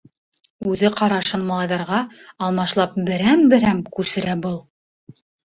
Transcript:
Үҙе ҡарашын малайҙарға алмашлап берәм-берәм күсерә был.